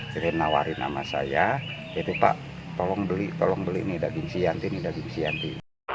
saya nawarin sama saya yaitu pak tolong beli tolong beli ini daging sianti ini daging sianti